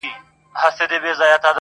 مُلا پاچا دی طالب ښاغلی -